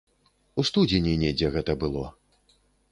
У студзені недзе гэта было.